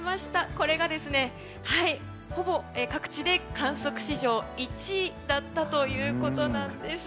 これが各地、ほぼ観測史上１位だったということです。